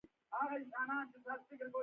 آیا اردو قوي ده؟